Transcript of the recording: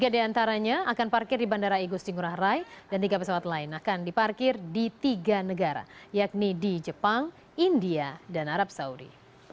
tiga diantaranya akan parkir di bandara igusti ngurah rai dan tiga pesawat lain akan diparkir di tiga negara yakni di jepang india dan arab saudi